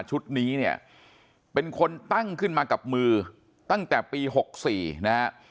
ชุดนี้เนี่ยเป็นคนตั้งขึ้นมากับมือตั้งแต่ปี๖๔นะฮะ